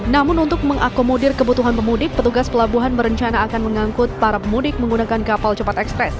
namun untuk mengakomodir kebutuhan pemudik petugas pelabuhan berencana akan mengangkut para pemudik menggunakan kapal cepat ekspres